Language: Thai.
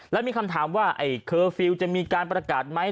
แล้วมีคำถามว่าไอ้เคอร์ฟิลล์จะมีการประกาศไหม